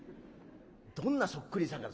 どんなそっくりさんが。